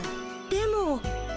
でも。